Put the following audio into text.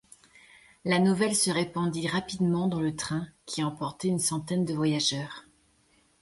La nouvelle se répandit rapidement dans le train, qui emportait une centaine de voyageurs.